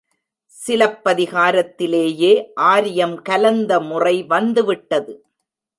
சிலப்பதிகாரத்திலேயே ஆரியம் கலந்த முறை வந்துவிட்டது.